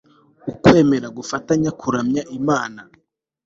ukwemera gufatanya kuramya imana